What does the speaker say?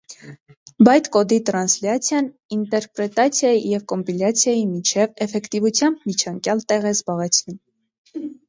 Բայթկոդի տրանսլյացիան ինտերպրետացիայի և կոմպիլյացիայի միջև էֆեկտիվությամբ միջանկյալ տեղ է զբաղեցնում։